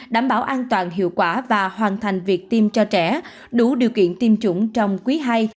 đảm bảo an toàn hiệu quả và hoàn thành việc tiêm cho trẻ đủ điều kiện tiêm chủng trong quý ii